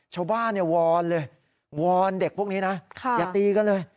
ชาวบ้านวอนเลยวอนเด็กพวกนี้นะอย่าตีกันเลย